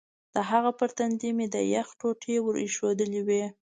د هغه پر تندي مې د یخ ټوټې ور ایښودلې وې.